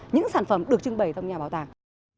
những sản phẩm được trưng bày trong nhà bảo tàng